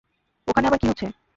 ওখানে আবার কী হচ্ছে?